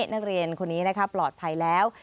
นักเรียนคนนี้ปลอดภัยแล้ว